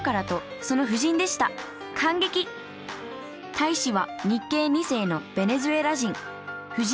大使は日系２世のベネズエラ人。